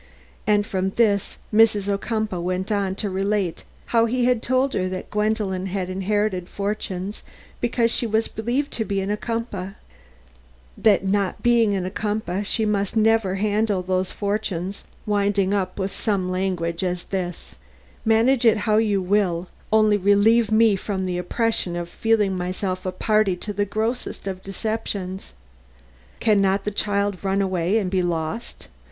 And from this Mrs. Ocumpaugh went on to relate how he had told her that Gwendolen had inherited fortunes because she was believed to be an Ocumpaugh; that not being an Ocumpaugh she must never handle those fortunes, winding up with some such language as this: "Manage it how you will, only relieve me from the oppression of feeling myself a party to the grossest of deceptions. Can not the child run away and be lost?